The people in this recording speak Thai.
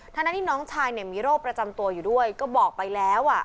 ทั้งนั้นที่น้องชายมีโรคประจำตัวอยู่ด้วยก็บอกไปแล้วอ่ะ